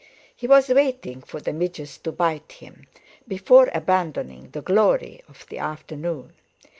He was waiting for the midges to bite him, before abandoning the glory of the afternoon.